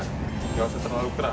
nggak usah terlalu keras